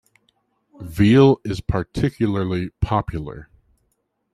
Veal is particularly popular.